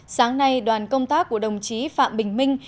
sáng nay đoàn công tác của đồng chí phạm bình minh